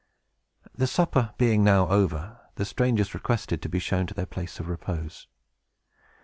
The supper being now over, the strangers requested to be shown to their place of repose.